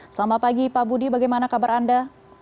selamat pagi pak budi bagaimana kabar anda